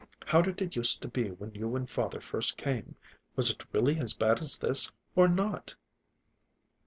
How did it use to be when you and father first came? Was it really as bad as this, or not?"